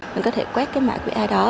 mình có thể quét cái mã qr đó